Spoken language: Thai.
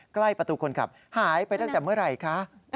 ใกล้ประตูคนขับหายไปตั้งแต่เมื่อไหร่คะ